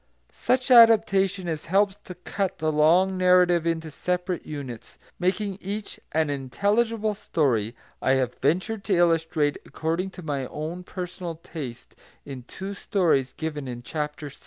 Such adaptation as helps to cut the long narrative into separate units, making each an intelligible story, I have ventured to illustrate according to my own personal taste, in two stories given in Chapter VI.